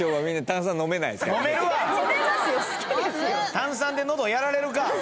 炭酸で喉やられるか！